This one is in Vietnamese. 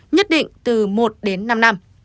nhất định từ một đến năm năm